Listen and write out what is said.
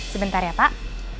sebentar ya pak